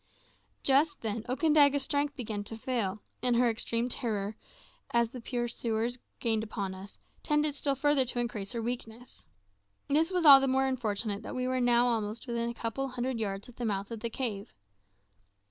Just then Okandaga's strength began to fail, and her extreme terror, as the pursuers gained on us, tended still further to increase her weakness. This was all the more unfortunate that we were now almost within a couple of hundred yards of the mouth of the cave.